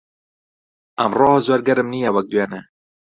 ئەمڕۆ زۆر گەرم نییە وەک دوێنێ.